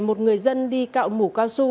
một người dân đi cạo mủ cao su